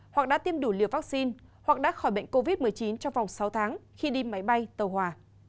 hoặc đã tiêm đủ liều vaccine hoặc đã khỏi bệnh covid một mươi chín trong vòng sáu tháng khi đi máy bay tàu hòa